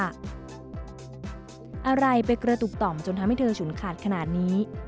อะไรไปกระตุกต่อมจนทำให้เธอฉุนขาดขนาดนี้